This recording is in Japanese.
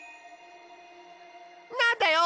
なんだよ！